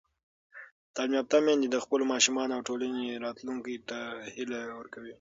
تعلیم یافته میندې د خپلو ماشومانو او ټولنې راتلونکي ته هیله ورکوي.